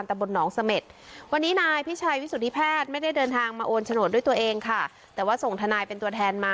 ก็มีเนื้อหาใจความในการตกลง